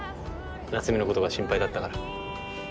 夏海のことが心配だったから。